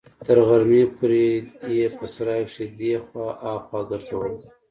تر غرمې پورې يې په سراى کښې دې خوا ها خوا ګرځولم.